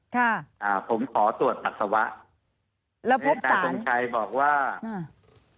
ค่ะอ่าผมขอตรวจปัสสาวะแล้วพบนายทรงชัยบอกว่าอ่า